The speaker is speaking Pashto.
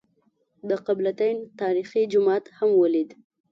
د قبله تین تاریخي جومات هم ولېد.